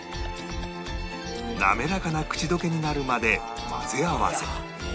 滑らかな口溶けになるまで混ぜ合わせ